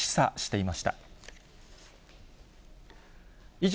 以上、